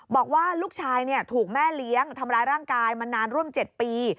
บอกว่าลูกชายถูกแม่เลี้ยงทำร้ายร่างกายมานานร่วม๗ปี